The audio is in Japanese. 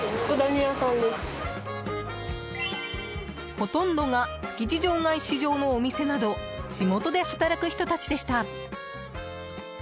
ほとんどが築地場外市場のお店など地元で働く人たちでした。